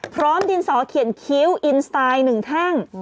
พร้อมดินสอเขียนคิ้วอินสไตล์๑แท่ง